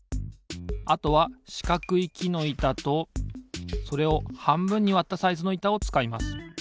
あとはしかくいきのいたとそれをはんぶんにわったサイズのいたをつかいます。